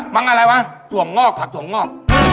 มังอะไรวะจว่ำงอกผักจว่ำงอก